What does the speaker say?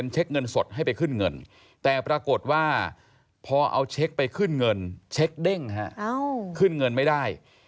เช็คเงินสดให้ไปขึ้นเงินแต่ปรากฏว่าพอเอาเช็คไปขึ้นเงินเช็คเด้งขึ้นเงินไม่ได้